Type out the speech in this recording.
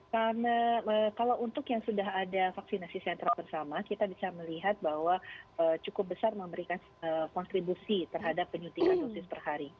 karena kalau untuk yang sudah ada vaksinasi sentra bersama kita bisa melihat bahwa cukup besar memberikan kontribusi terhadap penyuntikan dosis per hari